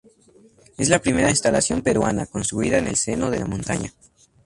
Es la primera instalación peruana construida en el seno de la montaña.